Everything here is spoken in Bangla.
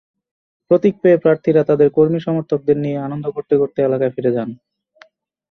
প্রতীক পেয়ে প্রার্থীরা তাঁদের কর্মী-সমর্থকদের নিয়ে আনন্দ করতে করতে এলাকায় ফিরে যান।